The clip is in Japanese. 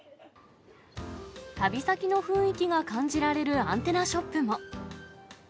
旅先の雰囲気が感じられるアンテナショップも。